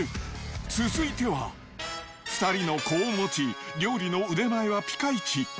続いては、２人の子を持ち、料理の腕前はピカイチ。